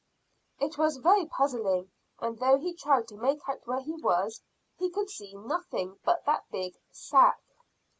It was very puzzling, and though he tried to make out where he was, he could see nothing but that big sack.